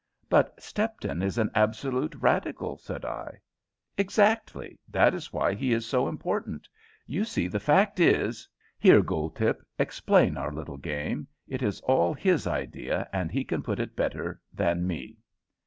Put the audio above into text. "But Stepton is an absolute Radical," said I. "Exactly: that is why he is so important. You see the fact is here, Goldtip, explain our little game; it is all his idea, and he can put it better than me."